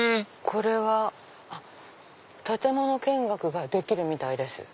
これは建物見学ができるみたいです。